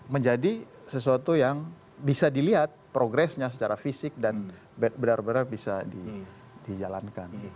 menjadi sesuatu yang bisa dilihat progresnya secara fisik dan benar benar bisa dijalankan